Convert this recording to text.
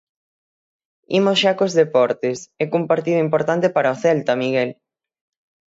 Imos xa cos deportes, e cun partido importante para o Celta, Miguel.